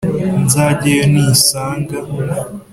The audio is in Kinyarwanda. Nzajye yo nisanga,